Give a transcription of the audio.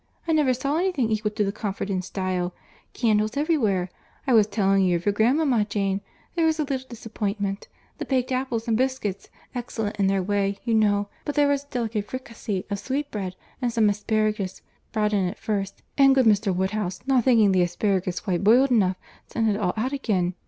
I never saw any thing equal to the comfort and style—Candles everywhere.—I was telling you of your grandmama, Jane,—There was a little disappointment.—The baked apples and biscuits, excellent in their way, you know; but there was a delicate fricassee of sweetbread and some asparagus brought in at first, and good Mr. Woodhouse, not thinking the asparagus quite boiled enough, sent it all out again.